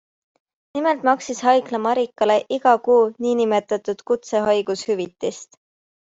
Nimelt maksis haigla Marikale iga kuu nn kutsehaigushüvitist.